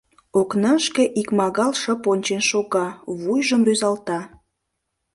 Окнашке икмагал шып ончен шога, вуйжым рӱзалта: